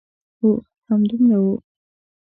هو، همدومره و.